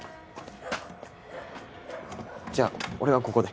じゃあ俺はここで。